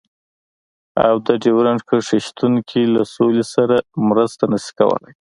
او د ډيورنډ کرښې شتون کې له سولې سره مرسته نشي کولای.